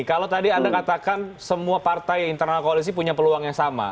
kalau tadi anda katakan semua partai internal koalisi punya peluang yang sama